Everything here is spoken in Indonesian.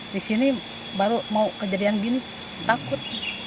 di sini baru mau kejadian gini takut